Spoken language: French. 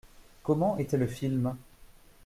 Comment était le film ?